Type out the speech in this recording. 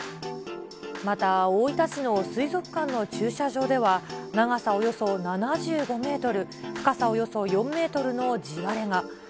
また大分市の水族館の駐車場では、長さおよそ７５メートル、深さおよそ４メートルの地割れが。